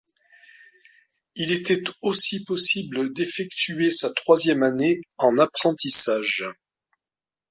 Il était aussi possible d’effectuer sa troisième année en apprentissage.